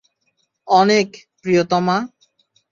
অনেক, প্রিয়তমা।